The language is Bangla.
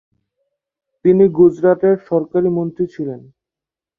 তিনি গুজরাটের সরকারী মন্ত্রী ছিলেন।